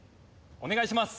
お願いします。